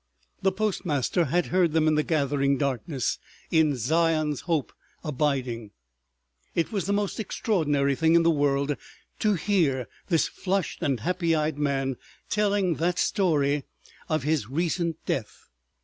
The postmaster had heard them in the gathering darkness, "In Zion's Hope abiding." ... It was the most extraordinary thing in the world to hear this flushed and happy eyed man telling that story of his recent death.